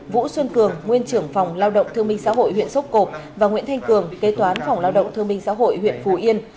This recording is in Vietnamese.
vũ xuân cường nguyên trưởng phòng lao động thương minh xã hội huyện sốc cộp và nguyễn thanh cường kế toán phòng lao động thương minh xã hội huyện phù yên